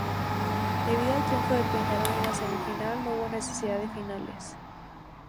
Debido al triunfo de Peñarol en la semifinal, no hubo necesidad de finales.